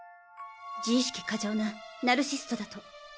自意識過剰なナルシストだと。